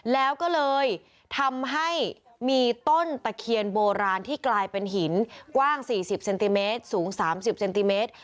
แล้วก็เลยทำให้มีต้นตะเคียนโบราณที่กลายเป็นหินกว้าง๔๐เซนติเมตรสูง๓๐เซนติเมตร